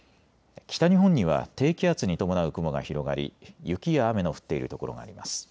北日本には低気圧に伴う雲が広がり雪や雨の降っている所があります。